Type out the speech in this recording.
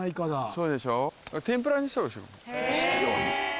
そうでしょ。